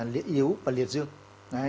lĩa yếu và liệt dương